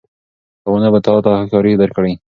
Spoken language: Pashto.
تاوانونه به تا ته هوښیاري درکړي.